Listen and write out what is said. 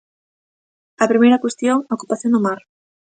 A primeira cuestión, a ocupación do mar.